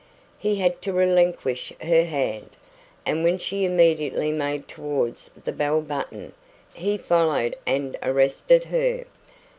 He had to relinquish her hand, and when she immediately made towards the bell button, he followed and arrested her.